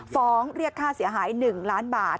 ฟ้องเรียกค่าเสียหาย๑ล้านบาท